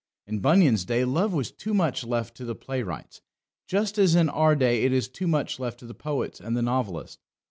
In Bunyan's day love was too much left to the playwrights, just as in our day it is too much left to the poets and the novelists.